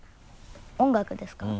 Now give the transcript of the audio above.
音楽ですか？